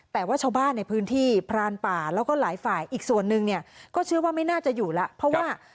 แต่ว่าชาวบ้านในพื้นที่พรานป่าแล้วก็หลายฝ่ายอีกส่วนนึงเนี่ยก็เชื่อว่าไม่น่าจะอยู่แล้วเพราะว่า